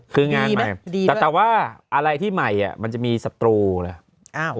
คืองานใหม่แต่ว่าอะไรที่ใหม่มันจะมีศัตรูเหรอ